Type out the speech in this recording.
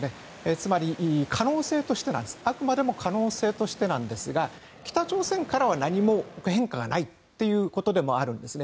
つまり、あくまで可能性としてなんですが北朝鮮からは何も変化がないということでもあるんですね。